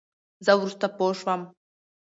زه ورورسته پوشوم.